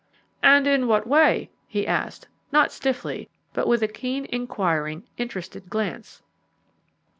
"And in what way?" he asked, not stiffly, but with a keen, inquiring, interested glance.